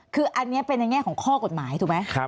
คืออันนี้เป็นในแง่ของข้อกฎหมายถูกไหม